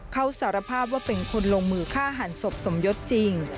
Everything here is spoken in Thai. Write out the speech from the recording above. เขาสารภาพว่าเป็นคนลงมือฆ่าหันศพสมยศจริง